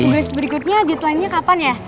gus berikutnya deadline nya kapan ya